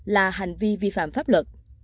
là hành vi vi phạm pháp luật